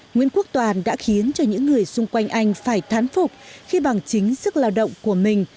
nguyễn quốc toàn đã khiến cho những người xung quanh anh phải thán phục khi bằng chính sức lao động của mình